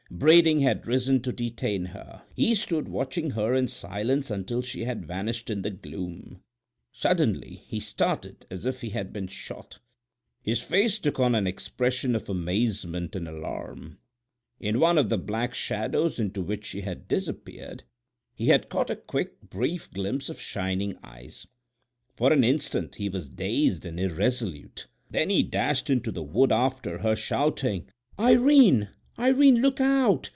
Brading had risen to detain her; he stood watching her in silence until she had vanished in the gloom. Suddenly he started as if he had been shot; his face took on an expression of amazement and alarm: in one of the black shadows into which she had disappeared he had caught a quick, brief glimpse of shining eyes! For an instant he was dazed and irresolute; then he dashed into the wood after her, shouting: "Irene, Irene, look out!